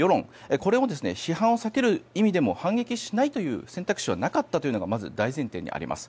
これを、批判を避ける意味でも反撃しないという選択肢はなかったというのがまず大前提にあります。